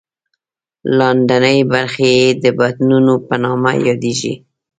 لاندینۍ برخې یې د بطنونو په نامه یادېږي.